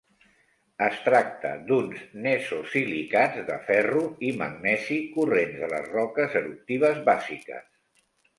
Es tracta d'uns nesosilicats de ferro i magnesi corrents de les roques eruptives bàsiques.